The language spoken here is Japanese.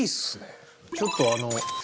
ちょっとあの。